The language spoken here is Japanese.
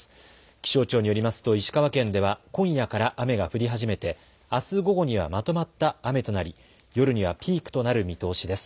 気象庁によりますと石川県では今夜から雨が降り始めてあす午後にはまとまった雨となり夜にはピークとなる見通しです。